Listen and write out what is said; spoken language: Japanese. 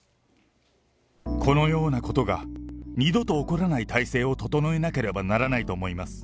このようなことが二度と起こらない体制を整えなければならないと思います。